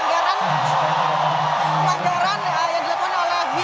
dan ketika memang wasit melayarnya pelanggaran yang dilakukan oleh indonesia